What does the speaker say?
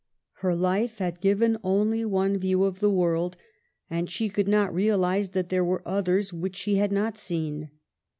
Her life had given only one view of the world, and she could not realize that there were others which she had not seen.